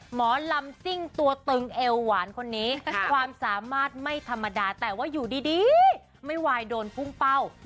หมอลำซิ่งตัวตึงเอวหวานคนนี้ความสามารถไม่ธรรมดาแต่ว่าอยู่ดีไม่ไหวโดนพุ่งเป้า